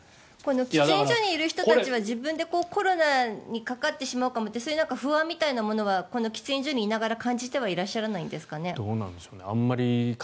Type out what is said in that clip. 喫煙所にいる人は自分でコロナにかかってしまうかもって不安みたいなものがこの喫煙所にいながら感じてらっしゃらないんですか。